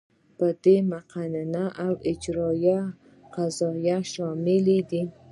په دې کې مقننه او اجراییه او قضاییه شاملې دي.